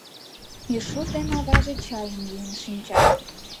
Мишут ден аваже чайым йӱын шинчат.